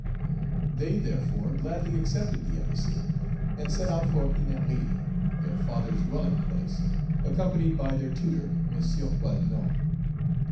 They therefore gladly accepted the embassy, and set out for Ennery, their father's dwelling place, accompanied by their tutor, M. Coasnon.